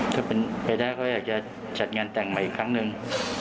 ถ้าเป็นแปดร้อยเขาอยากจะจัดงานแต่งใหม่อีกครั้งนึง